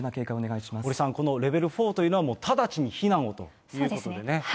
堀さん、このレベル４というのは、直ちに避難をということでね。